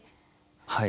はい。